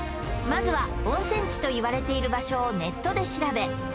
まずは温泉地といわれている場所をネットで調べ